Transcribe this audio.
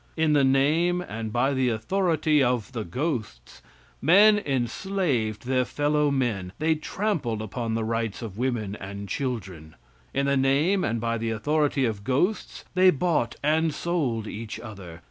In the name and by the authority of the ghosts, men enslaved their fellowmen; they trampled upon the rights of women and children. In the name and by the authority of ghosts, they bought and sold each other.